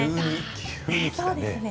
急にきたね。